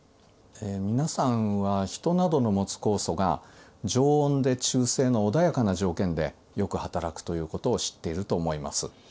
皆さんはヒトなどの持つ酵素が常温で中性の穏やかな条件でよく働くということを知っていると思います。